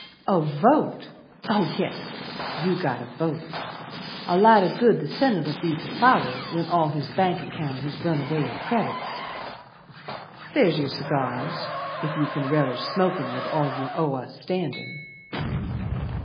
"A vote! Oh, yes, you got a vote! A lot o' good the Senate'll be to Father When all his bank account Has run away in credits. There's your cigars, If you can relish smokin' With all you owe us standin'."